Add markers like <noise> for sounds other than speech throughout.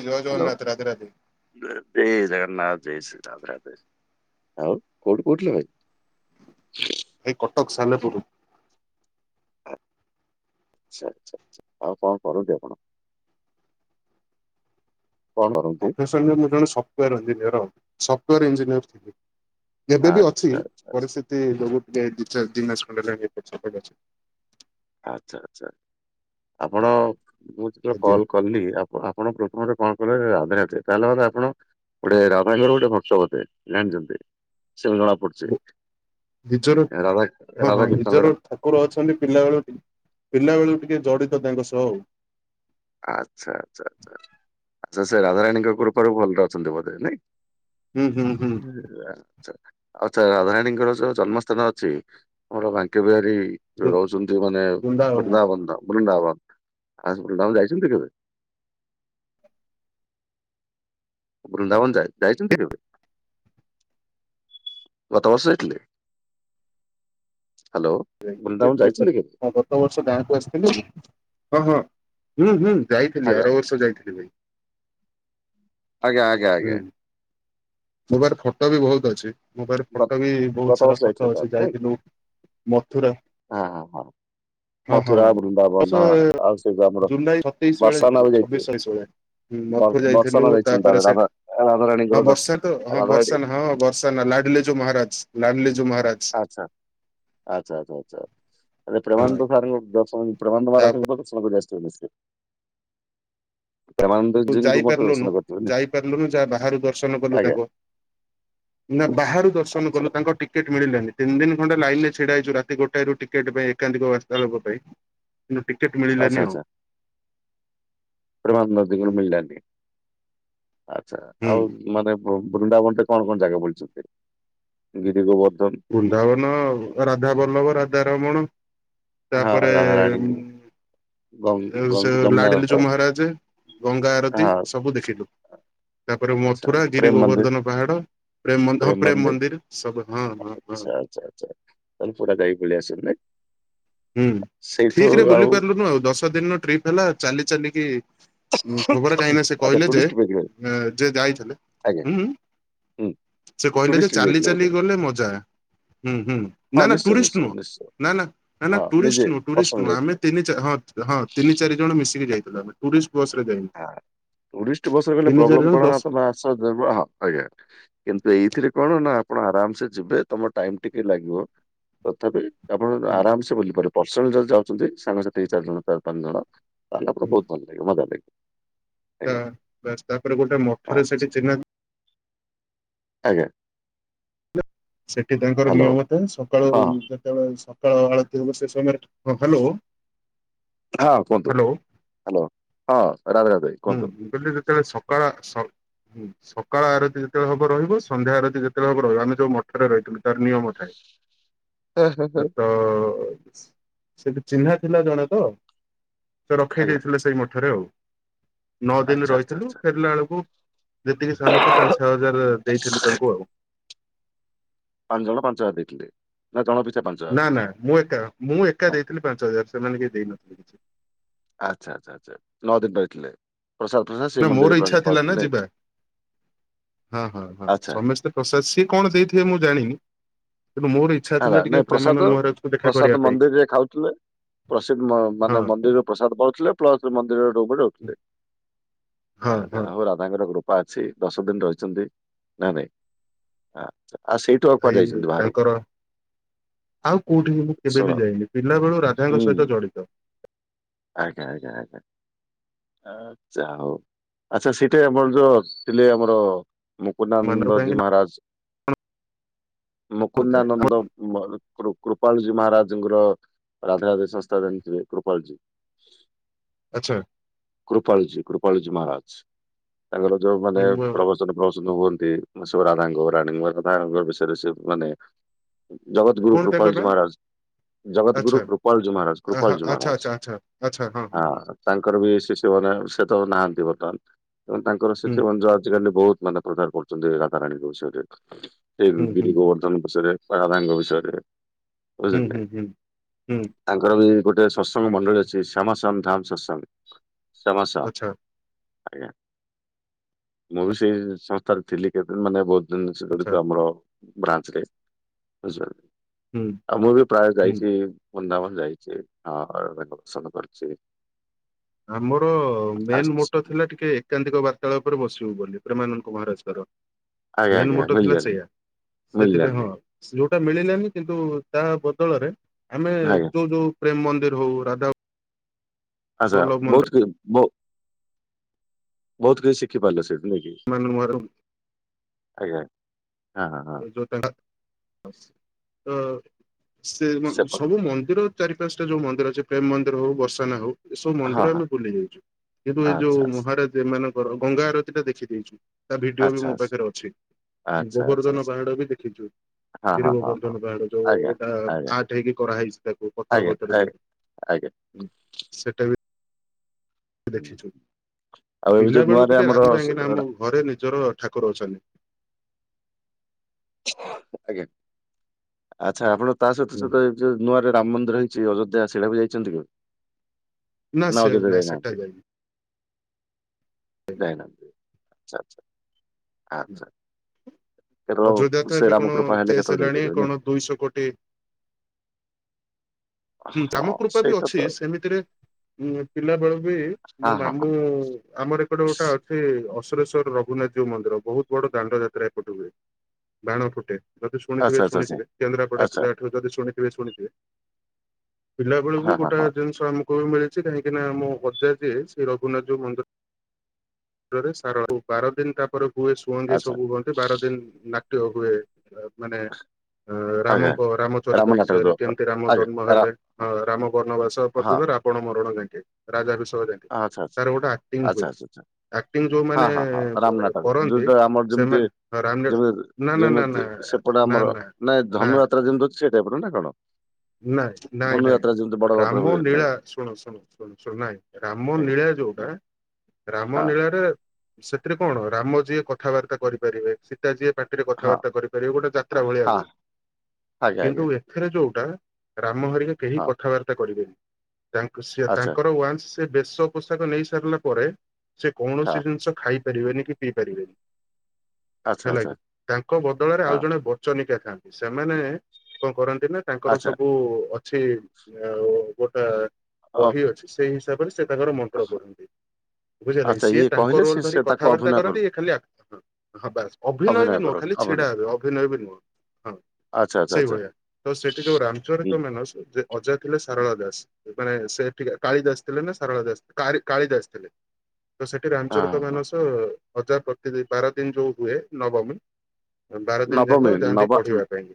ଜୟ hello Jagannath Radhe Radhe. ଜୟ ଶ୍ରୀ ଜଗନ୍ନାଥ। ଜୟ ଶ୍ରୀ ରାଧେ ରାଧେ। ଆଉ କୋଉଠୁ କହୁଥିଲେ ଭାଇ? ଏଇ କଟକ ସାଲେପୁରରୁ। ଆଛା, ଆଚ୍ଛା, ଆଛା। ଆଉ କଣ କରନ୍ତି ଆପଣ? କଣ କରନ୍ତି? ମୁ ଜଣେ ସଫ୍ଟୱାର ଞଜିନିୟର। ସଫ୍ଟୱାର ଇଞ୍ଜିନିୟର ଥିଲି। ଏବେ ବି ଆଚ୍ଛା ଅଛି। <unintelligible> ଆଚ୍ଛା ଆଚ୍ଛା ପରିସ୍ଥିତି ଲୋଗ ଟ ଦ ଖଣ୍ଡଣି ପପ ଅଛି ଆଚ୍ଛା ଆଚ୍ଛା। ଆପଣ ମୁଁ ଯେତେବେଳେ ଆଜ୍ଞା। କଲ୍ କର କଲି ଆ- ଆପଣ ପ୍ରଥମରେ କଣ କହିଲେ? ରାଧେ ରାଧେ, ତାହେଲେ ବା ଆପଣ ଗୋଟେ ରାଧା ଙ୍କର ଭକ୍ତ ଗୋଟେ। ଜାଣିଛନ୍ତି ସେମିତି ଜଣା ପଡୁଛି ନିଜର ରାଧା ହଁ ହଁ ରାଧା, ନିଜର କୀର୍ତ୍ତନ ଠାକୁର ଅଛନ୍ତି ପିଲା ବେଳକୁ, ପିଲା ବେଳକୁ ଟିକେ ଜଡିତ ତାଙ୍କ ସହ ଆଉ। ଆଚ୍ଛା, ଆଚ୍ଛା, ଆଚ୍ଛା। ଆଚ୍ଛା ସେ ରାଜଧାରାଣୀଙ୍କ କୃପାରୁ ଭଲରେ ଅଛନ୍ତି ବୋଧେ ନାଇଁ? ହୁଁ ହୁଁ ହୁଁ। ଆଛା ଆଛା। ରାଧାରାଣୀଙ୍କର ଯୋଉ ଜନ୍ମସ୍ଥାନ ଅଛି, ଆମର ବାଙ୍କେ ବିହାରୀ ଯୋଉ ରହୁଛନ୍ତି ମାନେ ବୃନ୍ଦାବନ, ବୃନ୍ଦାବନ। ଆ ବୃନ୍ଦାବନ ଯାଇଛନ୍ତି କେବେ? ବୃନ୍ଦାବନ ଯା-ଯାଇଛନ୍ତି କେବେ? ଗତ ବଷ ଯଥିଲଥିଲେ? ହାଲୋ। ହଁ ଗତ ବର୍ଷ ଗାଁକୁ ଆସିଥିଲି। ହଁ ହଁ। ହୁଁ ହୁଁ ଯାଇଥିଲି। ଆଜ୍ଞା ଆର ବର୍ଷ ଯାଇଥିଲି ଭାଇ। ଆଜ୍ଞା, ଆଜ୍ଞା, ହୁଁ ଆଜ୍ଞା। ମୋ ପାଖରେ ଫଟୋ ବି ବୋହୁତ୍ ଅଛି। ମୋ ପାଖରେ ଗତ ଫଟୋ ବି ଗତ ବୋହୁତ୍ ସାରା ବର୍ଷ ଯାଇଥିଲେ ଫଟୋ ଅଛି। ତାହେଲେ ନାଇଁ ଯାଇଥିଲୁ ମଥୁରା। ହଁ ହଁ ହଁ ହଁ ହଁ। ମଥୁରା ବ ବୃନ୍ଦାବନ ସେ ହଁ। ଆଉ ସେ ଯୋଉ ଆମର ଜୁଲାଇ ସତେଇଶି ବେଳେ ବର୍ଷାନା ହେଇଥିଲି। ବି ଯାଇଥିବେ ଛବିଶ ଚାଳିଶ ଭାଲିଆ। ହଁ ବ- ମଥୁ ଯାଇଥିଲୁ ବର୍ଷାନା ଯାଇଛନ୍ତି ତାପରେ ତାହେଲେ ରାଧା ସେଠି ରାଧାରାଣୀଙ୍କର ହଁ ଜ- ବର୍ଷା ତ ହଁ ରାଧାରାଣୀ ବର୍ଷା ହଁଷ ସ ନା ଲାଡଲିଜୁ ମହାରାଜ ଲାଡଲିଜୁ ମହାରାଜ ଆଛା, ଆଚ୍ଛା, ଆଚ୍ଛା, ଆଚ୍ଛା। ଆ ହଁ ପ୍ରେମାନନ୍ଦ ସାର୍ ଙ୍କ ଦର୍ଶନ, ପ୍ରେମାନନ୍ଦ ମହାରାଜ ଙ୍କ ତାପରେ ଦର୍ଶନ କରି ଆସିଛନ୍ତି ନି ପ୍ରେମାନନ୍ଦ ତୁ ଯାଇପାରିଲୁନୁ, ଯାଇପାରିଲୁନୁ ଯାହା ବାହାରୁ ଦର୍ଶନ କଲୁ। ଆଜ୍ଞା ତାଙ୍କ ନା ବାହାରୁ ଦର୍ଶନ ଆଚ୍ଛା କଲୁ। ତାଙ୍କ ଟିକେ ଟିକେଟ୍ ମିଳିଲାନି। ତିନି ଦିନ ଖଣ୍ଡେ ଲାଇନ୍ ରେ ଛିଡା ହେଇଚୁ ରାତି ଗୋଟାଏରୁ ଟିକେଟ ପାଇଁ। ଏକାଧିକ ବାସ୍ତା ଲୋକ ପାଇଁ। କିନ୍ତୁ ଟିକେଟ୍ ମିଳିଲାନି ଆଉ। ପ୍ରେମାନନ୍ଦ ମହା ଟିକେଟ୍ ହୁଁ। ମିଳିଲାନି? ଆଛା ଆଉ ମାନେ ବୃନ୍ଦାବନ ରେ କଣ କଣ ଜାଗା ବୁଲି ଛନ୍ତି? ଗିରି ଗୋବର୍ଦ୍ଧନ ବୃନ୍ଦାବନ, ରାଧା ବଲ୍ଲଭ ରାଧାରମଣ। ତା ହଁ ପରେ ରାଧାରାଣୀ ଗ ସେ ଯମୁନା ଘାଟ ଲାଡିଲୁଚୋ ହଁ ମହାରାଜ, ଗଙ୍ଗା ଆରତୀ ସବୁ ଦେଖିଲୁ। ତାପରେ ଆଚ୍ଛା ମଥୁରା ଗିରି ପ୍ରେମ ମନ୍ଦିର ଗୋବର୍ଦ୍ଧନ ପାହାଡ, ପ୍ରେମ ମ- ହଁ ପ୍ରେମ ମନ୍ଦିର, ସବୁ ହଁ ହଁ। ହଁ ଆଛା ଆଛା ଆଚ୍ଛା। ତ ପୁରା ଯାଇ ବୁଲି ଆସିଛନ୍ତି ନାଇଁ? ହୁଁ। ସେଇଠୁ ଠିକ ରେ ବୁଲି ଆଉ ପାରିଲୁନୁ ଆଉ ଦଶ ଦିନର ଟ୍ରିପ୍ ହେଲା। ଚାଲି ଚାଲିକି ଖବର କାହିଁନା ସେ ଆଚ୍ଛା କହିଲେ ଯେ, ଟୁରିଷ୍ଟ ଯାଇଥିଲେ ଯାଇଥିଲେ ଆଜ୍ଞା ହୁଁ ସେ କହିଲେ ଯେ ଟୁରିଷ୍ଟ ଚାଲି ଯାଇଥିଲେ ବୋଧେ? ଚାଲି ଗଲେ ମଜା। ହୁଁ ହୁଁ। ହଁ ନା ନା ନିଶ୍ଚୟ ଟୁରିଷ୍ଟ ନିଶ୍ଚୟ ନୁହଁ। ନିଶ୍ଚୟ ନା ନା ହଁ ନିଜେ ଟୁରିଷ୍ଟ ନୁହଁ। ଟୁରିଷ୍ଟ ପର୍ସନାଲ ନୁହଁ। ଆମେ ଯାଇଥିଲେ। ତିନି ହଁ ହଁ। ତିନି ଚାରି ଜଣ ମିଶିକି ଯାଇଥିଲୁ ଆମେ। ଟୁରିଷ୍ଟ ବସରେ ଯାଇନୁ। ଟୁରିଷ୍ଟ ବସ୍ ରେ ଗଲେ ତିନି ଚାରି ପ୍ରବ୍ଲେମ ଜଣ କଣ ହବ ଦଶ ନା। ତମେ ଆଶ ଜୀବ ହଁ ଆଜ୍ଞା। କିନ୍ତୁ ଏଇଥିରେ କଣ? ନା ଆପଣ ଆରାମ ସେ ଯିବେ ତମ ଟାଇମ୍ ଟିକେ ଲାଗିବ ତଥାପି ଆପଣ ହୁଁ ଆରାମସେ ବୁଲିପାରିବେ। ପର୍ସନାଲ ଯଦି ଯାଉଛନ୍ତି ସାଙ୍ଗ ସାଥି ଚାରି ଜଣ ଚାରି ପାଞ୍ଚ ଜଣ ହୁଁ ତା <unintelligible> ତା ବାସ୍ ତାପରେ ଗୋଟେ ମଠରେ ସେଠି ଆଚ୍ଛା ଚିହ୍ନା ଆଜ୍ଞା। ସେଠି ତାଙ୍କର ହ୍ୟାଲୋ ନିୟମଥାଏ ସକାଳୁ ହଁ ଯେତେବେଳେ ସକାଳ ଆଳତି ହବ ସେ ସମୟରେ ହ୍ୟାଲୋ। ହଁ କୁହନ୍ତୁ ହ୍ୟାଲୋ ହ୍ୟାଲୋ ହଁ ରାଧେ ରାଧେ ହୁଁ କୁହନ୍ତୁ ମୁ କହିଲି ଯେତେବଳେ ସ ସକାଳ ସକାଳ ଆରତି ଯେତେବେଳେ ହବ ରହିବ ସନ୍ଧ୍ୟା ଆରତି ଯେତେବେଳେ ହେବ ରହିବ ଆମେ ଯୋଉ ମ ଠ ରେ ରହିଥିଲୁ ତାର ନିୟମ ଥାଏ ହେ ହେ ହେ ସେତ ସେଠି ଚିହ୍ନା ଥିଲା ଜଣେ ତ ସେ ରଖେଇ ଆଜ୍ଞା ଦେଇଥିଲେ ସେଇ ମଠରେ ଆଉ। ନଅ ଦିନି ଆଚ୍ଛା ଆଚ୍ଛା ରହିଥିଲୁ ଆଚ୍ଛା ଫେରିଲା ବେଳକୁ ଯେତିକି ସାମର୍ଥ୍ୟ ପାଞ୍ଚ ଛଅ ହଜାର ଦେଇଥିଲୁ ତାଙ୍କୁ ଆଉ। ପାଞ୍ଚ ଜଣ ପାଞ୍ଚ ହଜାର ଦେଇଥିଲେ ନା ଜଣ ପିଛା ପାଞ୍ଚ ହଜାର ନା ନା ମୁଁ ଏକା ମୁଁ ଏକା ହଁ ଦେଇଥିଲି ପାଞ୍ଚ ହଜାର ସେମାନେ କେହି ଦେଇନଥିଲେ କିଛି। ଆଚ୍ଛା ଆଚ୍ଛା ଆଛା ନଅ ଦିନ ରହି ଥିଲେ। ପ୍ରସାଦ ଫସାଦ ନା ମୋର ଇଚ୍ଛା ଥିଲା ନା ଯିବା ହଁ ହଁ ହଁ ଆଚ୍ଛା ସମସ୍ତେ ତ ସେ ସିଏ କଣ ଦେଇଥିବେ ମୁଁ ଜାଣିନି କିନ୍ତୁ ମୋର ଏଇ ହେଲା ନାଇଁ ପ୍ରସାଦ ପ୍ରସାଦ ପାଇଁ ମନ୍ଦିରରେ ଖାଉଥିଲେ ପ୍ରସିଦ୍ଦ ମାନେ ହଁ ମନ୍ଦିର ପ୍ରସାଦ ପାଉଥିଲେ ପ୍ଲସ ମନ୍ଦିର ରରେ ରହୁଥିଲେ ହଁ ଯା ହଁ। ହଉ ତାଙ୍କର କୃପା ଅଛି ଦଶ ଦିନ ରହିଛନ୍ତି ନା ନାଇଁ। ଆଉ ସେଇଠୁ ଆଉ ଭାଇ କୁଆଡେ ଯାଇଛନ୍ତି ବାହାରକୁ। ତାଙ୍କର ଆଉ କୋଉଠି କି ମୁଁ କେବେ ଶୁଣ ବି ଯାଇନି ପିଲା ବେଳୁ ରାଧାଙ୍କ ହୁଁ ସହିତ ଜଡିତ। ଆଜ୍ଞା ଆଜ୍ଞା ଆଜ୍ଞା। ଆଚ୍ଛା ହଉ ଆଚ୍ଛା ସେଟି ଆମର ଯୋଉ ଥିଲେ ଆମର ମାନର କାହିଁକି ମୁକୁନ୍ଦାନନ୍ଦଜୀ ମହାରାଜ ଥାଏ। ମୁକୁନ୍ଦାନନ୍ଦମ୍ ମୋର କୃପାଳଜୀ ମହାରାଜଙ୍କର ରାଧେରାଧେ ସଂସ୍ଥା ଜାଣିଥିବେ କୃପାଳଜୀ। <inaudible> ଆଚ୍ଛା। କୃପାଳଜୀ କୃପାଳଜୀ ମହାରାଜ ତାଙ୍କର ଯୋଉ ମାନେ ପ୍ରବଚ ସନ ପ୍ରସନ ହୁଅନ୍ତି ସ ରାଧାଙ୍କ ରାଣୀ ରାଧାଙ୍କ ବିଷୟରେ ସେ ମାନେ ଜଗତଗୁରୁ କଣ ତାଙ୍କର ନାଁ କୃପାଳଜୀ ମହାରାଜ। ଜଗତଗୁରୁ ଆଚ୍ଛା। କୃପାଳଜୀ ମହାରାଜ ଆହା କୃପାଳଜୀ ଆଚ୍ଛା ମହାରାଜ ଆଚ୍ଛା ଆଚ୍ଛା ଆଚ୍ଛା ହଁ। ତାଙ୍କର ବି ଶିସ୍ୟମାନେ ସେ ତ ଆଉ ନାହାନ୍ତି ବର୍ତ୍ତମାନ ଏବଂ ତାଙ୍କର ହୁଁ ଶିସ୍ୟମାନେ ଯୋଉ ଆଜିକାଲି ବହୁତ ମାନେ ପ୍ରଚାର କରୁଛନ୍ତି ରାଧାରାଣୀଙ୍କ ବିଷୟରେ ସେ ହୁଁ ହୁଁ ଗିରିଗୋବ ଧନ ବିଷୟରେ ବା ରାଧାରାଣୀଙ୍କ ବିଷୟରେ। ହୁଁ ବୁଝିଲେ ହୁଁ ନାଇଁ। ହୁଁ ହୁଁ। ତାଙ୍କର ବି ଗୋଟେ ସତ୍ସଙ୍ଗ ମଣ୍ଡଳୀ ଅଛି ଶ୍ୟାମାସ୍ୟାମ ଧାମ ସତ୍ସଙ୍ଗ ଶ୍ୟାମାସ୍ୟା ଆଚ୍ଛା ଆଜ୍ଞା ମୁଁ ବି ସେଇ ସଂସ୍ଥାରେ ଥିଲି କେତେଦିନ ମାନେ ବହୁତ ଦିନ ଆଚ୍ଛା ଜଡିତ ଆମର ବ୍ରାଞ୍ଚରେ ବୁଝପା ହୁଁ ଆଉ ମୁଁ ବି ପ୍ରାୟ ହୁଁ। ଯାଇଛି ବୃନ୍ଦାବନ ଯାଇଛି ଆ ରାଧା ଙ୍କ ଦର୍ଶନ କରିଛି। ଆମର ମେନ୍ ଆସିଛି। ମୋଟ ଥିଲା ଟିକେ ଏକାନ୍ତିକ ବାର୍ତ୍ତାଳାୟ ଉପରେ ବସିବୁ ବୋଲି ପ୍ରେମାନନ୍ଦଙ୍କ ମହାରାଜଙ୍କର। ଆଜ୍ଞା ମେନ୍ ଆଜ୍ଞା ମୋଟ ଥିଲା ମିଳିଲାନି ସେଇୟା ସେଥିପାଇଁ ହଁ। ମିଳିଲାନି ଯୋଉଟା ମିଳିଲାନି କିନ୍ତୁ ତାହା ବଦଳରେ ଆମେ ଆଜ୍ଞା ଯୋଉ ଯୋଉ ପ୍ରେମ ମନ୍ଦିର ହଉ ରାଧା ଆଚ୍ଛା ବଲ୍ଲଭ ମନ୍ଦିର ବହୁତ କି ବ ବହୁତ କିଛି ଶିଖି ପାରିଲ ସେଇଠି ନାଇଁକିି। <unintelligible> ଆଜ୍ଞା ହଁ ହଁ। ଜୋତା ଟା ତ ସେ ସେପଟ ସବୁ ମନ୍ଦିର ଚାରି ପାଞ୍ଚଟା ଯୋଉ ମନ୍ଦିର ଅଛି ପ୍ରେମମନ୍ଦିର ହଉ ବର୍ସାନା ହଉ ଏସବୁ ହଁ ମନ୍ଦିର ହଁ ଆମେ ବୁଲି ଯାଇଛୁ। କିନ୍ତୁ ଏଇ ଯୋଉ ଆଚ୍ଛା ଆଚ୍ଛା ମହାରାଜ ମାନଙ୍କର ଗଙ୍ଗା ଆରତୀ ଟା ଦେଖିଦେଇଛୁ। ତା ଭିଡ଼ିଓ ବି ଆଚ୍ଛା ମୋ ପାଖରେ ଅଛି। ଆଚ୍ଛା ଆଚ୍ଛା ଆଚ୍ଛା। ତୁ ବି ଦେଖିଛୁ। ହଁ ଗିରି ହଁ ହଁ ହଁ ଗୋବର୍ଦ୍ଧନ ପାହାଡ଼ ଆଜ୍ଞା ଯୋଉଟା ଆଜ୍ଞା ଆର୍ଟ ହେଇକି କରାହେଇଛି ତାକୁ ପଥର ଆଜ୍ଞା ଫତର ଆଜ୍ଞା <unintelligible> ଆଜ୍ଞା। ସେଟା ବି ହୁଁ ଦେଖିଛୁ ଆଉ ଏବେ ପିଲା ଯୋଉ ବେଳୁ ନୂଆରେ ଟିକେ ଆମର ରାଗୁ ସ- କାହିଁକିନା ଆମ ରା- ଘରେ ନିଜର ଠାକୁର ଅଛନ୍ତି। ଆଜ୍ଞା ଆଚ୍ଛା ଆପଣ ତା ହୁଁ। ସହିତ <unintelligible> ଯୋଉ ନୂଆରେ ରାମ ମନ୍ଦିର ହେଇଛି ଅଯୋଧ୍ୟା ସେଇଟା କୁ ଯାଇଚନ୍ତି କି? ନା ନାଁ ସେ ଅଯୋଧ୍ୟା ନା ସେଟା ଯାଇନାହାନ୍ତି। ଯାଇନି। ଯାଇନାହାନ୍ତି ଆଚ୍ଛା ନା। ଆଚ୍ଛା ଆଚ୍ଛା। ଅଯୋଧ୍ୟା କେତେବେଳେ ତ ସେ ଏବେ କଣ ରାମକୃପା ହେଲେ କେସ୍ କେତେବେଳେ ହେଲାଣି ଯାଇପାରିବନି କଣ ଦୁଇଶହ କୋଟି ହୁଁ ରାମ ହଁ କୃପା ବି ସେଇଟା ତ ଅଛି ସେମିତିରେ ଉଁ ପିଲାବେଳୁ ବି ହଁ ମୋ ହଁ ହଁ। ମାମୁଁ ଆମର ଏପଟେ ଗୋଟା ସ- ଅଛି। ସେ ଅସୁରେଶ୍ୱର ରଘୁନାଥଜୀଉ ମନ୍ଦିର ବହୁତ୍ ବଡ଼ ଦାଣ୍ଡ ଯାତ୍ରା ଏପଟୁ ହୁଏ ବାଣ ଫୁଟେ। ଯଦି ଆଚ୍ଛା ଶୁଣିଥିବେ ଆଚ୍ଛା ଆଚ୍ଛା ଶୁଣିଥିବେ କେନ୍ଦ୍ରାପଡ଼ା ଆଚ୍ଛା ପିଲାଙ୍କଠୁ ଯଦି ଶୁଣିଥିବେ ଶୁଣିଥିବେ। ପିଲାବେଳୁ ବି ହଁ ହଁ ହଁ ଗୋଟାଏ ଜିନିଷ ଆମକୁ ବି ମିଳିଛି କାହିଁକି ନା ଆମ ଅଜା ଯିଏ ସେ ରଘୁନାଥଜୀଉ ମନ୍ଦି <unintelligible> ବାର ଦିନ୍ ତାପରେ ହୁଏ ଶୁଅନ୍ତି ଆଚ୍ଛା ସବୁ ହୁଅନ୍ତି ବାର ଦିନ୍ ନାଟ୍ୟ ହୁଏ। ମାନେ ଆଜ୍ଞା ରାମଙ୍କ ରାମ ରାମଚରିତ୍ର ନାଟକ ବିଷୟରେ ଯୋଉ ଯେମିତି ରାମ ଆଜ୍ଞା ଜନ୍ମ ରା ହେଲେ ହଁ ରାମ ବନବାସ ହଁ ପର୍ଯ୍ୟନ୍ତ ରାବଣ ମରଣ ଯାଙ୍କେ ରାଜା ବିଷୟ <unintelligible> ଆ ଆଚ୍ଛା ଆଚ୍ଛା ଆଚ୍ଛା ଆଚ୍ଛା। ଆକ୍ଟିଂ ହଁ ଯୋଉମାନେ ହଁ ହଁ ରାମ ନାଟକ କରନ୍ତି ଯୋଉଥିରେ ଆମର ଯେମିତି ସେମାନେ ରାମ ଯେମିତି ନା ନା ନା ନା ଯେମିତି ସେପଟେ ନା ଆମର ନା ନାଇଁ ନା ଧନୁଯାତ୍ରା ଯେମିତି ଅଛି ସେ ଟାଇପ୍ ର ନା କଣ? ନାଇଁ ନାଇଁ ନାଇଁ ଧନୁଯାତ୍ରା ଯେମିତି ବଡଗଡରେ ହୁଏ ନାଇଁ ରାମଲୀଳା ଶୁଣ ଶୁଣ ଶୁଣ ଶୁଣ ନାଇଁ ରାମ ଲୀଳା ଯୋଉଟା ଆଜ୍ଞା। ରାମ ହଁ ଲୀଳା ରେ ସେଥିରେ କଣ ରାମ ଯିଏ କଥାବାର୍ତ୍ତା କରିପାରିବେ ସୀତା ଯିଏ ପା <unintelligible> ରେ ହଁ କଥାବାର୍ତ୍ତା କରିପାରିବୁ ଗୋଟେ ଯାତ୍ରା ଭଳିଆ ହଁ ଆଜ୍ଞା ଆଜ୍ଞା କିନ୍ତୁ ଏଥିରେ ଯୋଉଟା ରାମ ହେରିକା କେହି ହଁ କଥାବାର୍ତ୍ତା କରିବେନି <unintelligible> ଆଚ୍ଛା ତାଙ୍କର ୱାନ୍ସ୍ ସେ ବେଶ ପୋଷାକ ନେଇ ସାରିଲା ପରେ ସେ ହଁ କୌଣସି ଜିନିଷ ଖାଇ ଖାଇ ପାରିବେନି କି ପିଇ ପାରିବେନି ଆଚ୍ଛା ହେଲା ଆଚ୍ଛା କି ତାଙ୍କ ବଦଳରେ ହଁ ଆଉ ଜଣେ <unintelligible> ସେମାନେ କଣ କରନ୍ତିନା ତାଙ୍କର ଆଚ୍ଛା ସବୁ ଅଛି ଆଉ ଗୋଟେ ଓ ବହି ଅଛି ସେଇ ହିସାବରେ ସେ ତାଙ୍କର ମନ୍ତ୍ର ପ ବୁଝିହେଲାକି ଆଚ୍ଛା ସିଏ ଇଏ ତାଙ୍କ କହିଲେ ରୋଲ୍ ସେ ଧରି ସେ ତାକୁ କଥାବାର୍ତ୍ତା ଅଭିନୟ କଲୁ କରନ୍ତି ଇଏ ଖାଲି <unintelligible> ହଁ ବାସ୍। ଅଭିନୟ ବି ନୁହଁ କରନ୍ତୁ ଖାଲି ଅଭିନୟ ଛିଡ଼ା ହେବେ ଅଭିନୟ ବି ନୁହଁ। ହଁ ଆଚ୍ଛା ଆଚ୍ଛା ଆଚ୍ଛା। ସେଇଭଳିଆ ତ ସେଠି ଯୋଉ ହୁଁ। ରାମଚରିତ୍ ମାନସ ସେ ଅଜା ଥିଲେ ସାରଳା ଦାସ୍। ମାନେ ସିଏ <unintelligible> କାଳିଦାସ ଥିଲେ ନା ସାରଳାଦାସ ଥିଲେ କାଳି କାଳିଦାସ ଥିଲେ। ତ ସେଠି ହଁ ରାମଚରିତ ହଁ ମାନସ <unintelligible> ପ୍ରତି <unintelligible> ବାରଦିନି ରୁ ହୁଏ ନବମୀ। ବାରଦିନ୍ ଯାକ ନବମୀ ଯାଆନ୍ତି ନବ ନ- ପଢ଼ିବା ପାଇଁ।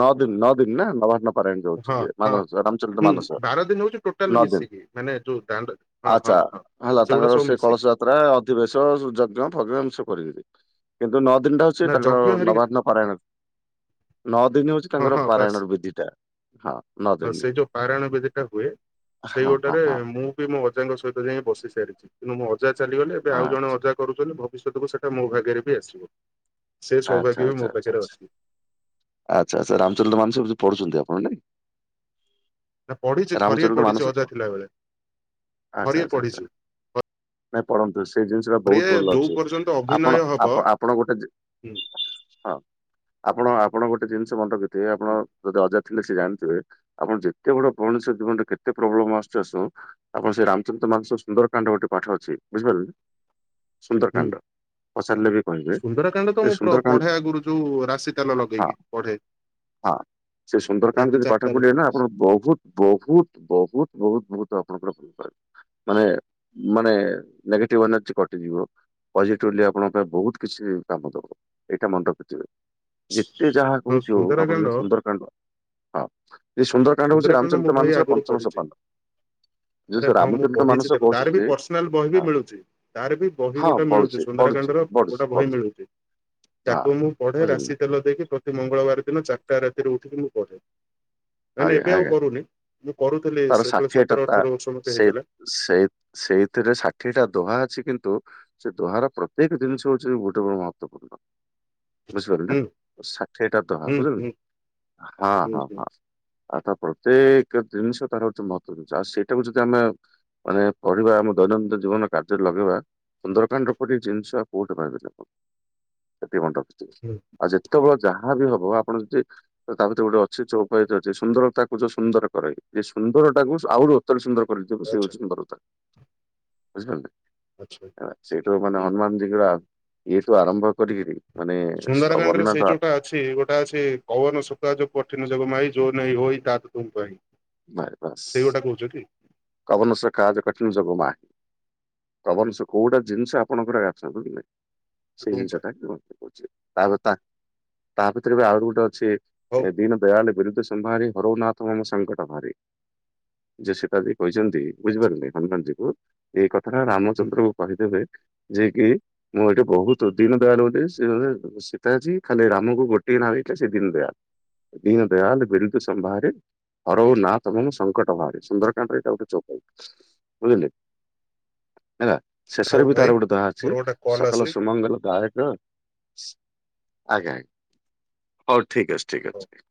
ନଅ ଦିନ୍ ନଅ ଦିନ୍ ନା ନବା ନ। <unintelligible> ଯାଉଛି ହଁ ଯେ ମାନ ହଁ। ରାମଚରିତ ହୁଁ ମାନସ ବାର ଦିନ ହଉଛି ଟୋଟାଲ ନଅ ଦିନି। ମିଶିକି ମାନେ ଯୋଉ ଦାଣ୍ଡ ହଁ ଆଚ୍ଛା ହଁ ହଁ। ହେଲା ସେଗୁଡା ତାଙ୍କର ସବୁ ସେ କଳସ ମିଶିକି <unintelligible> ରା ଅଧିବେଶ ସୁ ଯଜ୍ଞ ଫଜ୍ଞ ଏମିତି ସବୁ କରିବେ କିନ୍ତୁ ନଅ ଦିନିଟା ହଉଛି ନା ତାଙ୍କର ଯଜ୍ଞ ହେରିକା କରାଗଲା ନଅ ଦିନି ହଉଛି ହଁ ତାଙ୍କର ହଁ ବାସ୍ ପାରାୟଣର ବିଧି ଟା ହଁ ନଅ ଆଉ ଦିନି। ସେଇ ଯୋଉ ପାରାୟଣ ବେଦୀଟା ହୁଏ ସେଇ ଗୋଟାରେ ମୁଁ ବି ମୋ ଅଜାଙ୍କ ସହିତ ଯାଇ ବସି ସାରିଛି କିନ୍ତୁ ମୁଁ ଅଜା ଚାଲିଗଲେ ଏବେ ଆଉ ଜଣେ ଅଜା କରୁଛନ୍ତି ଭବିଷ୍ୟତକୁ ସେଟା ମୋ ଭାଗ୍ୟରେ ବି ଆସିବ ସେ ଆଚ୍ଛା ସୌଭାଗ୍ୟ ବି ଆଚ୍ଛା ମୋ ଆଚ୍ଛା ପାଖରେ ଆଚ୍ଛା ଅଛି। ଆଚ୍ଛା ଆଚ୍ଛା ରାମଚରିତ ମାନସ ହଉଛି ପଢୁଛନ୍ତି ଆପଣ ନାଇଁ? ନା ପଢିଛି ଥରିଏ ରାମଚରିତ ପଢିଛି ମାନସ ଅଜା ତ ଥିଲାବେଳେ ଆଚ୍ଛା ଥରିଏ ଆଚ୍ଛା ଆଚ୍ଛା। ପଢିଛି ନାଇଁ ପଢ଼ନ୍ତୁ ସେଇ ଜିନିଷ ଟା ବହୁତ୍ ଥରିଏ ଭଲ ଯୋଉ ଅଛି ପର୍ଯ୍ୟନ୍ତ ଅଭିନୟ ଆପଣ ହବ ଆପଣ ଆପ ଆପଣ ଗୋଟେ ଯେ, ହୁଁ ହଁ ଆପଣ ଆପଣ ଗୋଟେ ଜିନିଷ ମନେରଖିବେ। ତେ ଆପଣ ହୁଁ ଯଦି ଅଜା ଥିଲେ ସେ ଜାଣିଥିବେ, ଆପଣ ଯେତେ ବଡ ମଣିଷ ଜୀବନରେ କେତେ ପ୍ରୋବ୍ଲେମ ଆସୁଚି ଆସୁ। ଆପଣ ସେ ରାମଚରିତ ମାନସ ସୁନ୍ଦରକାଣ୍ଡ ଗୋଟେ ପାଠ ଅଛି ବୁଝିପାରିଲେ ନା। ହୁଁ ସୁନ୍ଦରକାଣ୍ଡ ପଚାରିଲେ ବି କହିବେ ସୁନ୍ଦରକାଣ୍ଡ ତ ଏ ମୁଁ ପ୍ର- ପଢେ ସୁନ୍ଦରକାଣ୍ଡ। ଆଗରୁ ଯୋଉ ରାଶି। ତାଲ ଆଛା ଲଗେଇକି ପଢେ ହଁ ସେ ସୁନ୍ଦରକାନ୍ତ ରାତି ଯଦି ପାଠ ଚାରିଟାରେ ପଢ଼ିବେ ନା ଆପଣ ବହୁତ। ବହୁତ, ବହୁତ, ବହୁତ, ବହୁତ ଆପଣଙ୍କର ଭଲ ମାନେ ମାନେ ନେଗେଟିଭ ଏନର୍ଜି କଟିଯିବ। ପଜିଟିଭଲି ଆପଣଙ୍କ ପାଇଁ ବହୁତ କିଛି କାମ ଦେବ ଏଇଟା ମନେ ରଖିଥିବେ। ଯେତେ ଯାହା ହଁ ହଉଛି ହଉ ଆପଣ ସୁନ୍ଦରାକାଣ୍ଡ ଜଦି ସୁନ୍ଦରକାଣ୍ଡ। ହଁ ଏ ସୁନ୍ଦର କାଣ୍ଡ ହଉଛି ସୁନ୍ଦରାକାଣ୍ଡ ମୁଁ ରାମଚରିତ ଭାଇ ମାନସର ଆଗରୁ ପଞ୍ଚମ ପଢିଛି ସୋପାନ। ଯୋଉ ଆରେ ସେ ହଁ ମୁଁ ରାମଚରିତ ପଢିଛି ମାନସ ତାକୁ ତାର ବି କହୁଛନ୍ତି ପର୍ସନାଲ ବହି ବି ହଁ। ମିଳୁଛି ତାର ବି ବହି ହଁ ଗୋଟେ ପଢୁଛି ମିଳୁଛି ପଢୁଛି ସୁନ୍ଦରାକାଣ୍ଡ ର। ପଢୁଛି ଗୋଟା ବହି ପଢୁଛି ମିଳୁଛି ହଁ ତାକୁ ମୁଁ ପଢେ ବୁଝିଲେ ନା ରାଶି ତେଲ ଦେଇକି। ପ୍ରତି ମଙ୍ଗଳବାର ଦିନ ଚାରିଟା ରାତିରୁ ଉଠିକି ମୁଁ ପଢେ। ନାଇଁ ନାଇଁ ଆଜ୍ଞା ଏବେ ଆଉ ଆଜ୍ଞା। କରୁନି ମୁଁ କରୁଥିଲି ସେତେବେଳେ ସତର ଅଠର ବର୍ଷ ମତେ ହେଇଥିଲା। ସେଇ ସେଇଥିରେ ଷାଠିଏଟା ଦୋହା ଅଛି କିନ୍ତୁ ସେ ଦୋହାର ପ୍ର ତେକ ଜିନିଷ ହଉଛି ଗୋଟେ ବଡ ମହତ୍ତ୍ଵପୂର୍ଣ୍ଣ। ବୁଝିପାରିଲ ନା ହୁଁ ତ ଷାଠିଏଟା ଦୋହା ହୁଁ ବୁଝିଲ ହୁଁ ନା ହଁ ହୁଁ ହଁ ହୁଁ ହଁ। ଆ ତା ପ୍ରତ୍ୟେକ ଜିନିଷ ତାର ଗୋଟେ ମହତ୍ବ ରହିଚି ଆଉ ସେଇଟାକୁ ଯଦି ଆମେ। ମାନେ ପଢିବା ଆମ ଦୈନନ୍ଦିନ ଜୀବନ କାର୍ଯ୍ୟରେ ଲଗେଇବା ସୁନ୍ଦରକାଣ୍ଡ ର ପରି ଜିନିଷ ଆଉ କୋଉଠି ପାଇବେନି ଆପଣ ସେତିକି ମନେ ରଖିଥିବେ ହୁଁ ଆଉ ଯେ ତୁମ ଯାହା ବି ହବ ଆପଣ ଯଦି। ତ ତା ଭିତରେ ଗୋଟେ ଅଛି ଚଉପାଇତୀ ଅଛି ସୁନ୍ଦରତାକୁ ଯୋ ସୁନ୍ଦର କରଇ। ଯେ ସୁନ୍ଦର ଟାକୁ ଆହୁରି ଅତ୍ୟନ୍ତ ସୁନ୍ଦର କରିଦେବେ ସେ ଆଚ୍ଛା ହଉଛି ସୁନ୍ଦରତା ବୁଝିପାରିଲେ। ଆଚ୍ଛା। ସେଇଠୁ ମାନେ ହୁଁ ହନୁମାନ ଯୀ ଙ୍କର ଇଏଠୁ ଆରମ୍ଭ କରିକିରି ମାନେ ସୁନ୍ଦରାକାଣ୍ଡ ରେ ସେଇ ଅବରନାଥ। ଯୋଉଟା ଅଛି ଗୋଟା ଅଛି କୌବନ ଶୁକା ଯୋଉ କଠିନ ଯୋଗ ମାଇ ଯୋଉ ନେଇ ହୋଇ ତାକୁ ତୁମ କହୀ। ବାରେ ବାସ୍। କହୁଛ କି? କବନସକା ଜୋ କଠିନ ଯୋଗ ମା କବନସୋ କୋଉଟା ଜିନିଷ ଆପଣଙ୍କର ଆ <inaudible> ସେଇ ତୁମ ପାଇଁ ଜିନିଷଟା କି ମତେ କହୁଚି ତାପରେ ତା ତା ଭିତରେ ବି ଆଉରି ଗୋଟେ ଅଛି। ହଉ ଏ ଦୀନ ଦୟାଲ ବିରୁଦ୍ଧ ସମ୍ଭାରି ହରଉନାଥ ମମ ସଂଙ୍କଟ ଭାରେ ଯେ ସେ କାଲି। କହିଛନ୍ତି ଆଚ୍ଛା। ବୁଝିପାରିଲେ ହନୁମାନ ଜୀ କୁ କି ଏଇ କଥାଟା ରାମଚନ୍ଦ୍ର ହୁଁ ହୁଁ ଙ୍କୁ କହିଦେବେ ଯିଏ କି। ମୁଁ ଏଠି ବହୁତ ଦିନ ଦାୟାଲ ବୁଦ୍ଧି‌ ସି ସୀତା ଜୀ ଖାଲି ରାମକୁ ଗୋଟିଏ ନା ଦେଇେ ଥିଲେ ସେ ଦିନଲଦୟା। ଦୀନ ଦୟାଲ ବିିରୁଦ୍ଧ ସମ୍ଭାରେ ହରଉ ନା ତମନ ସଂଙ୍କଟ ଭାରେ ସୁନ୍ଦର। ତା ପରେ ଏଇଟା ଗୋଟେ ଚପାଇ ବୁଝିଲେ ହେଲା। ହଉ ଶେଷରେ ବି ଭାଇ ତାର ଗୋଟେ ଦହା ମୋର ଅଛି ଗୋଟେ କଲ୍ ସକଲ ଆସୁଛି ସୁମଙ୍ଗଲ ଦାୟକ। ଆଜ୍ଞା ଆଜ୍ଞା ହଉ ଠିକ ଅଛି, ଠିକ ହଉ। ଅଛି।